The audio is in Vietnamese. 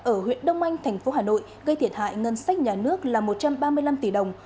ở huyện đông anh thành phố hà nội gây thiệt hại ngân sách nhà nước là một trăm ba mươi năm tỷ đồng